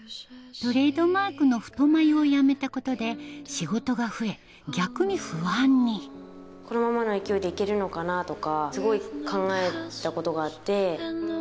トレードマークの太眉をやめたことで仕事が増え逆に不安にこのままの勢いで行けるのかな？とかすごい考えたことがあって。